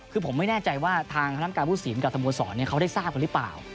คือผมไม่แน่ใจว่าทางคณะกรรมการผู้สินกับสโมสรเขาได้ทราบกันหรือเปล่า